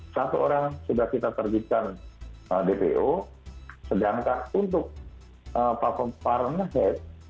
satu orang sudah kita terbitkan dpo sedangkan untuk platform parameter